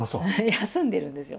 休んでるんですよ。